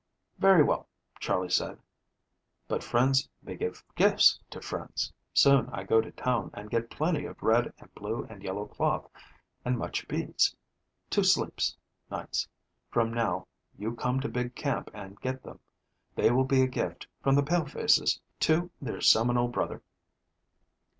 "Very well," Charley said, "but friends may give gifts to friends. Soon I go to town and get plenty of red and blue and yellow cloth and much beads. Two sleeps (nights) from now you come to big camp and get them. They will be a gift from the palefaces to their Seminole brother."